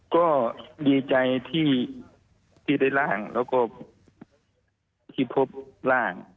ก็ดีใจที่ได้ร่างแล้วก็ที่พบร่าง